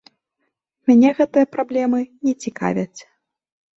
Мяне гэтыя праблемы не цікавяць.